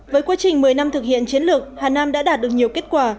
với quá trình một mươi năm thực hiện chiến lược hà nam đã đạt được nhiều kết quả